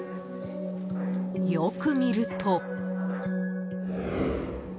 よく見ると。